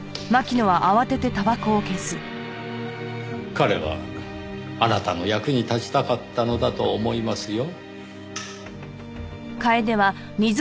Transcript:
彼はあなたの役に立ちたかったのだと思いますよ。